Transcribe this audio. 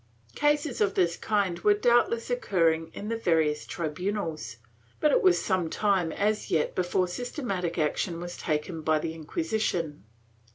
^ Cases of this kind were doubtless occurring in the various tri bunals, but it was some time as yet before systematic action was taken by the Inquisition.